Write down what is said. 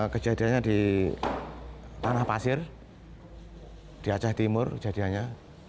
kejadiannya di tanah pasir di aceh timur kejadiannya